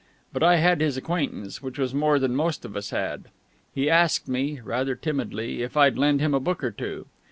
But I had his acquaintance, which was more than most of us had. He asked me, rather timidly, if I'd lend him a book or two.